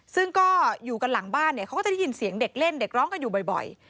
ซึ่งก็อยู่กันหลังบ้านเนี่ยเขาก็จะได้ยินเสียงเด็กเล่นเด็กร้องกันอยู่บ่อย